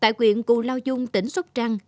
tại quyện cù lao dung tỉnh sóc trăng